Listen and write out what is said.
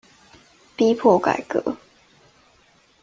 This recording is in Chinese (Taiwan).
逼迫改革